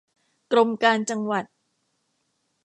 กรมการจังหวัด